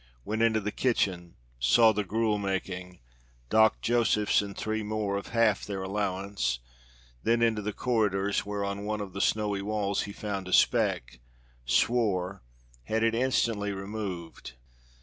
Went into the kitchen saw the gruel making docked Josephs and three more of half their allowance; then into the corridors, where on one of the snowy walls he found a speck; swore; had it instantly removed.